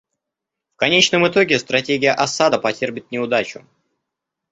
В конечном итоге стратегия Асада потерпит неудачу.